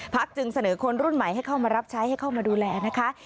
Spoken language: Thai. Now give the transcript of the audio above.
จึงเสนอคนรุ่นใหม่ให้เข้ามารับใช้ให้เข้ามาดูแลนะคะ